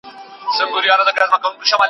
تپان